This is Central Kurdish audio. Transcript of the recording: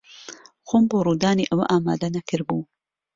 خۆم بۆ ڕوودانی ئەوە ئامادە نەکردبوو.